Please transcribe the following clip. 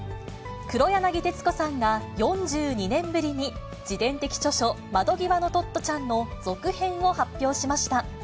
黒柳徹子さんが、４２年ぶりに自伝的著書、窓ぎわのトットちゃんの続編を発表しました。